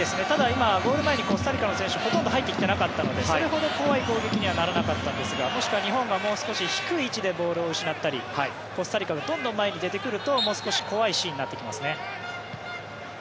ゴール前にコスタリカの選手ほとんど入ってきていなかったのでそれほど怖い攻撃にはならなかったんですがもしくは日本が低い位置でボールを失ったりコスタリカがどんどん前に出てくると怖いシーンになってきますね。